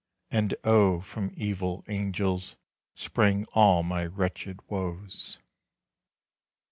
And oh! from evil angels Sprang all my wretched woes.